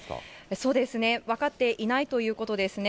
そうですね、分かっていないということですね。